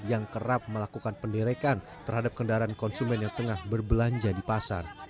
yang kerap melakukan penderekan terhadap kendaraan konsumen yang tengah berbelanja di pasar